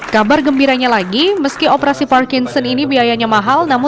kabar gembiranya lagi meski operasi parkinson ini biayanya mahal